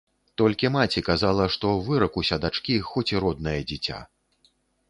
Толькі маці казала, што выракуся дачкі, хоць і роднае дзіця.